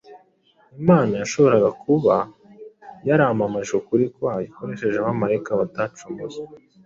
Imana yashoboraga kuba yaramamaje ukuri kwayo ikoresheje abamarayika batacumuye;